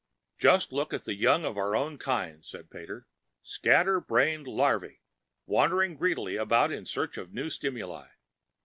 "Just look at the young of our own kind," said Pater. "Scatter brained larvae, wandering greedily about in search of new stimuli.